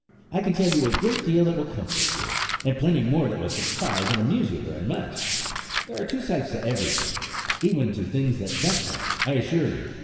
I can tell you a great deal that will comfort you, and plenty more that will surprise and amuse you very much. There are two sides to everything, even to things that vex one, I assure you!